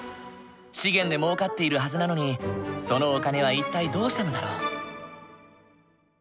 資源でもうかっているはずなのにそのお金は一体どうしたのだろう？